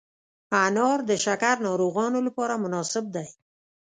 انار د شکر ناروغانو لپاره مناسب دی.